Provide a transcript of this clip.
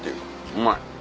うまい。